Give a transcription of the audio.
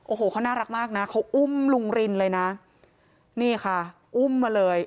โอ้โหเขาน่ารักมากนะเขาอุ้มลุงรินเลยนะนี่ค่ะอุ้มมาเลย